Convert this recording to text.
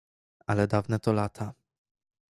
"Ale dawne to lata."